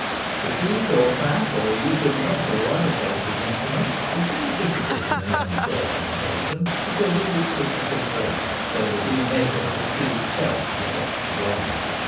To shoot or trap, or use a net or other poacher's implement, is very difficult in a young fir plantation, because of this thickness of growth ; so that in a measure the tree itself protects the game.